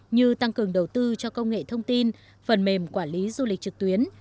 như tăng cường đầu tư cho công nghệ thông tin phần mềm quản lý du lịch trực tuyến